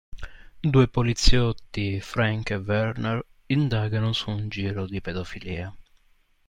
Due poliziotti, Frank e Werner, indagano su un giro di pedofilia.